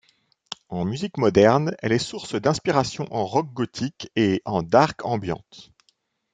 En musique moderne, elle est source d'inspiration en rock gothique et en dark ambient.